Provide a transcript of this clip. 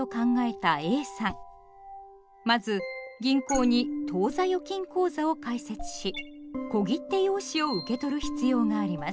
まず銀行に当座預金口座を開設し「小切手用紙」を受け取る必要があります。